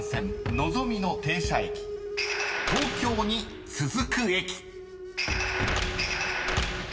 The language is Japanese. ［東京に続く駅］